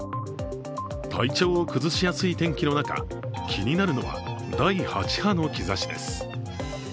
体調を崩しやすい天気の中、気になるのは第８波の兆しです。